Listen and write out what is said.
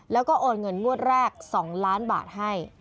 แล้วก็โอนเงินงวดแรก๒ล้านบาทให้